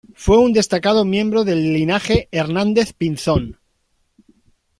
Fue un destacado miembro del Linaje Hernández-Pinzón.